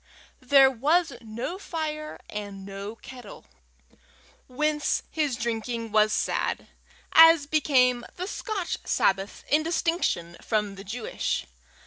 There was no fire and no kettle, whence his drinking was sad, as became the Scotch Sabbath in distinction from the Jewish.